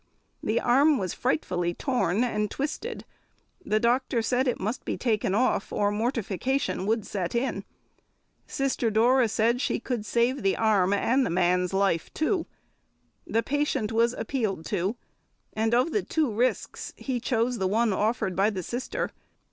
The arm was frightfully torn and twisted; the doctor said it must be taken off, or mortification would set in. Sister Dora said she could save the arm, and the man's life too. The patient was appealed to, and of the two risks he chose the one offered by the Sister.